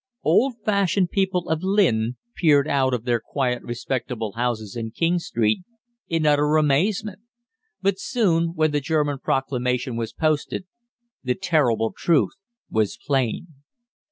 Old fashioned people of Lynn peered out of their quiet respectable houses in King Street in utter amazement; but soon, when the German proclamation was posted, the terrible truth was plain.